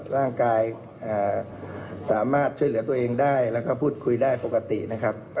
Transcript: ร่างกายสามารถช่วยเหลือตัวเองได้แล้วก็พูดคุยได้ปกตินะครับ